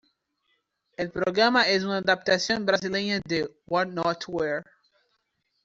El programa es una adaptación brasileña de What not to wear!